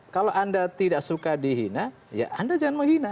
kalau anda tidak suka dihina ya anda jangan menghina